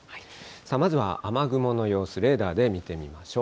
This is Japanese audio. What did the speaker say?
さあ、まずは雨雲の様子、レーダーで見てみましょう。